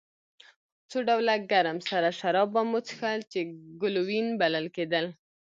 څو ډوله ګرم سره شراب به مو څښل چې ګلووېن بلل کېدل.